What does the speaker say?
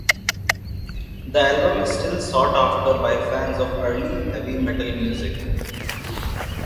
That album is still sought after by fans of early heavy metal music.